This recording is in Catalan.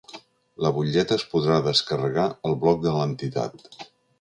La butlleta es podrà descarregar al blog de l’entitat.